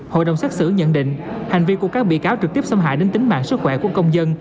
hội đồng xét xử nhận định hành vi của các bị cáo trực tiếp xâm hại đến tính mạng sức khỏe của công dân